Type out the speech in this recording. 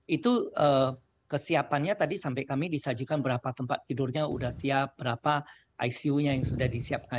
itu kesiapannya tadi sampai kami disajikan berapa tempat tidurnya sudah siap berapa icu nya yang sudah disiapkan